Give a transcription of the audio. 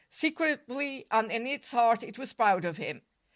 Secretly and in its heart, it was proud of him.